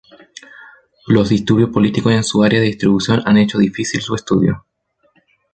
Los disturbios políticos en su área de distribución han hecho difícil su estudio.